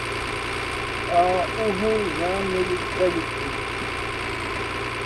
آں اُو (ہوئیں) زاں مِلیۡ کل کیریۡ تھُو۔